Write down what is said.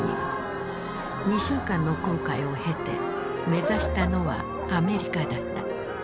２週間の航海を経て目指したのはアメリカだった。